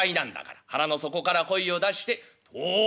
腹の底から声を出して『高』」。